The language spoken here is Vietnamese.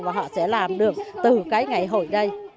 và họ sẽ làm được từ cái ngày hội đây